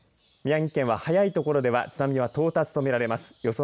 宮城県は早い所では津波は到達とみられます。